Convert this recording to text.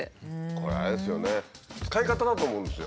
これあれですよね使い方だと思うんですよ。